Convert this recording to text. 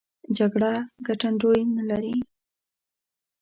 جګړه ګټندوی نه لري.